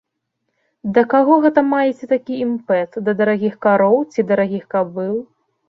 Да каго гэта маеце такі імпэт, да дарагіх кароў ці дарагіх кабыл?